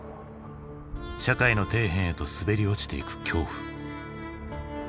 社会の底辺へと滑り落ちていく恐怖。